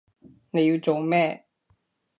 你要做咩？